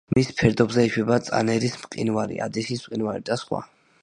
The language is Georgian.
მის ფერდობზე ეშვება წანერის მყინვარი, ადიშის მყინვარი და სხვა.